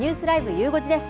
ゆう５時です。